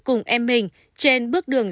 cùng em mình trên bước đường